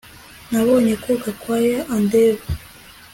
Nabonye ko Gakwaya andeba